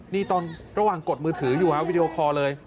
นี่ตอนระหว่างกดมือถืออยู่วีดีโอคอร์เลย